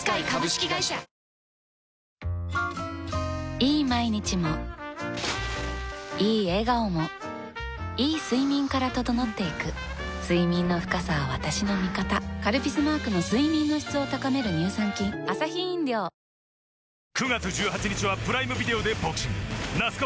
いい毎日もいい笑顔もいい睡眠から整っていく睡眠の深さは私の味方「カルピス」マークの睡眠の質を高める乳酸菌［それでは本日ご紹介した］